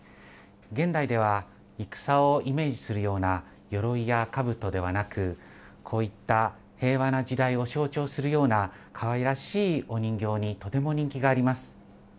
現代では、戦をイメージするようなよろいやかぶとではなく、こういった平和な時代を象徴するような、かわいらしいお人形にとても人気があります。